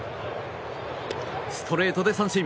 ストレートで三振。